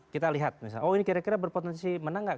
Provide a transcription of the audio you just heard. kita lihat misalnya oh ini kira kira berpotensi menang nggak